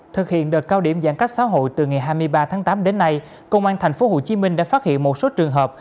thực hiện đợt cao điểm giãn cách xã hội từ ngày hai mươi ba tháng tám đến nay công an tp hcm đã phát hiện một số trường hợp